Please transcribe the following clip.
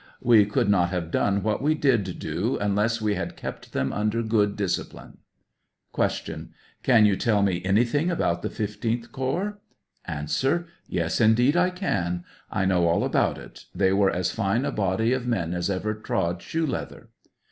We could not have done what we did do unless we had kept them under good discipline ? Q. Can you tell me anything about the 15th corps ? A. Yes, indeed, I can ; I know all about it; they were as fine a body of men as ever trod shoe leather.